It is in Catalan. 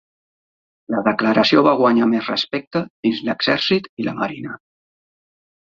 La declaració va guanyar més respecte dins l'exèrcit i la marina.